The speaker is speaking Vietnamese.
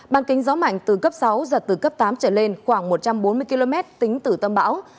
bàn kính gió mạnh từ cấp sáu giật từ cấp tám trở lên khoảng một trăm bốn mươi km tính từ tâm bão